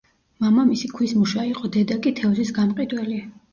მამამისი ქვის მუშა იყო დედა კი თევზის გამყიდველი.